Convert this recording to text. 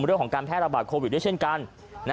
เรื่องของการแพร่ระบาดโควิดด้วยเช่นกัน